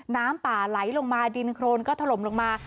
น้ำป่าไหลลงมาดินโครนก็ถล่มลงมา